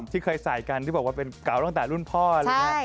ที่เคยใส่กันที่บอกว่าเป็นเก่าตั้งแต่รุ่นพ่อเลยนะครับ